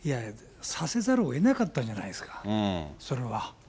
させざるをえなかったんじゃないですか、それは。